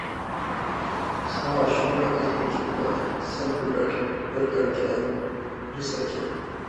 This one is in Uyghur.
ساڭا شۇنىلا ئېيتقۇم كېلىپ قالدى: سەن بىر ئەركەك، بىر ئەركە، بىر سەركە.